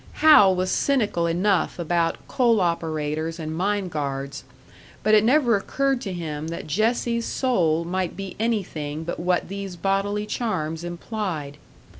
Hal was cynical enough about coal operators and mine guards, but it never occurred to him that Jessie's soul might be anything but what these bodily charms implied.